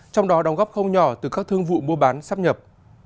trong đó đóng góp không nhỏ từ các thương vụ mua bán sắp nhập